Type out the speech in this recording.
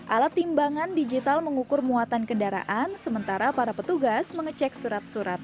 alat timbangan digital mengukur muatan kendaraan sementara para petugas mengecek surat surat